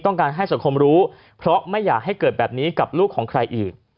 ต้องการให้สังคมรู้เพราะไม่อยากให้เกิดแบบนี้กับลูกของใครอีก